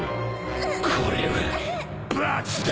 これは罰だ！